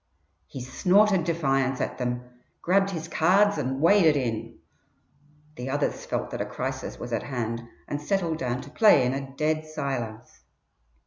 He snorted defiance at them, grabbed his cards and waded in. The others felt that a crisis was at hand and settled down to play in a dead silence.